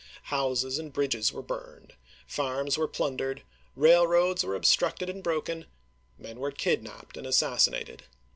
Houses and bridges were burned, farms were plundered, railroads were obstructed and broken, men were kidnaped and assassinated.